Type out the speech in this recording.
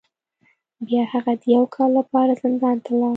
بیا هغه د یو کال لپاره زندان ته لاړ.